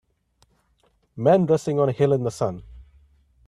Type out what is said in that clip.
Men resting on a hill in the sun.